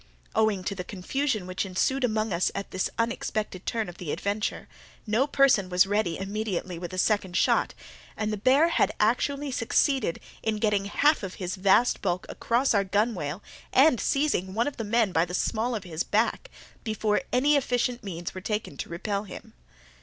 Owing to the confusion which ensued among us at this unexpected turn of the adventure, no person was ready immediately with a second shot, and the bear had actually succeeded in getting half his vast bulk across our gunwale, and seizing one of the men by the small of his back, before any efficient means were taken to repel him.